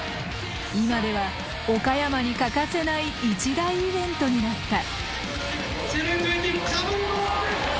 今では岡山に欠かせない一大イベントになった。